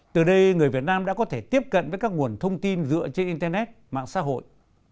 từ đây người việt nam đã có thể tiếp cận với các nguồn thông tin dựa trên internet mạng xã hội